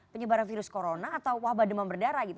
penyebaran virus corona atau wabah demam berdarah gitu